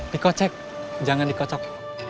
dikocek jangan dikocok